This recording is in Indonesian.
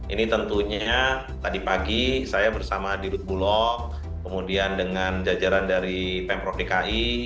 ini tentunya tadi pagi saya bersama dirut bulog kemudian dengan jajaran dari pemprov dki